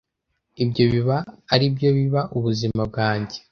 ibyo biba aribyo biba ubuzima bwanjye